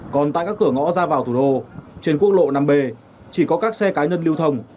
còn tại các cửa ngõ ra vào thủ đô trên quốc lộ năm b chỉ có các xe cá nhân lưu thông